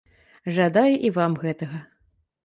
Жадаю і вам гэтага.